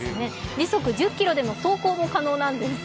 時速１０キロでの走行も可能なんです。